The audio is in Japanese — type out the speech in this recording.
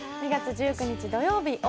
２月１９日土曜日